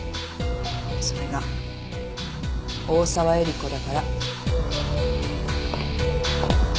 それが大澤絵里子だから。